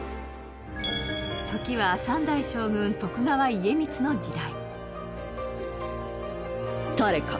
時は三代将軍、徳川家光の時代。